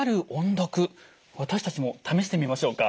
私たちも試してみましょうか。